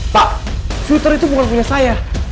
pak twitter itu bukan punya saya